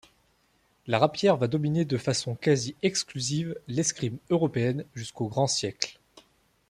La rapière va dominer de façon quasi exclusive l'escrime européenne jusqu'au Grand Siècle.